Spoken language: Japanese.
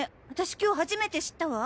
今日初めて知ったわ。